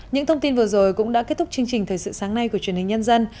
những thông tin vừa rồi cũng đã kết thúc chương trình thời sự sáng nay của truyền hình nhân dân